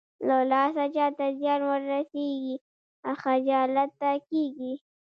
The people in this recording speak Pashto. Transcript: له لاسه چاته زيان ورسېږي خجالته کېږي.